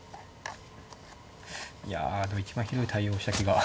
いやでも一番ひどい対応した気が。